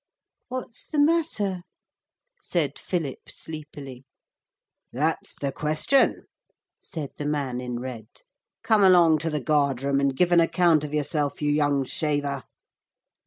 'What's the matter?' said Philip sleepily. 'That's the question,' said the man in red. 'Come along to the guard room and give an account of yourself, you young shaver.'